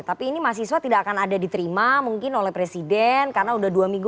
tapi ini mahasiswa tidak akan ada diterima mungkin oleh presiden karena udah dua minggu